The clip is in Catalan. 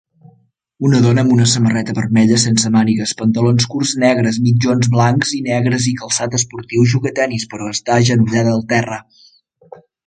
Una dona amb una samarreta vermella sense mànigues, pantalons curts negres, mitjons blancs i negres i calçat esportiu juga a tennis però està agenollada al terra.